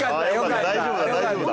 大丈夫だ大丈夫だ。